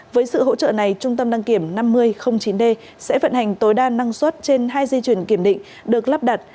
với sự hỗ trợ này trung tâm đăng kiểm năm mươi chín d sẽ vận hành tối đa năng suất trên hai dây chuyển kiểm định được lắp đặt